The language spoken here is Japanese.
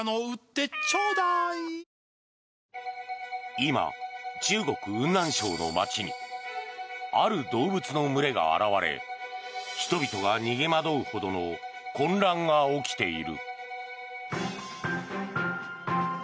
今、中国・雲南省の街にある動物の群れが現れ人々が逃げ惑うほどの混乱が起きている。